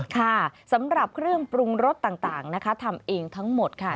ค่ะสำหรับเครื่องปรุงรสต่างนะคะทำเองทั้งหมดค่ะ